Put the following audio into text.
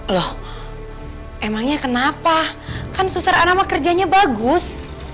loh emangnya kenapa kan suster anak saya kerjanya bagus